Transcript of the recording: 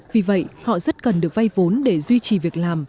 vì vậy họ rất cần được vay vốn để duy trì việc làm